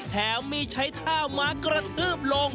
แถมมีใช้ท่าม้ากระทืบลง